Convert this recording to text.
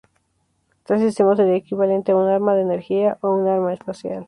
Tal sistema sería equivalente a un arma de energía o un arma espacial.